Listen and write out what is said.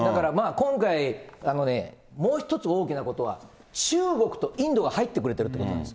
今回、あのね、もう一つ大きなことは、中国とインドが入ってくれてるということなんです。